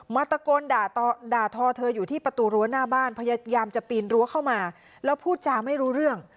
ตะโกนด่าทอเธออยู่ที่ประตูรั้วหน้าบ้านพยายามจะปีนรั้วเข้ามาแล้วพูดจาไม่รู้เรื่อง